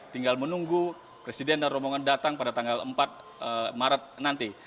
tinggal menunggu presiden dan rombongan datang pada tanggal empat maret nanti